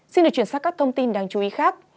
xin được chuyển sang các thông tin đáng chú ý khác